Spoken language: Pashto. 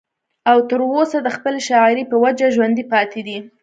او تر اوسه د خپلې شاعرۍ پۀ وجه ژوندی پاتې دی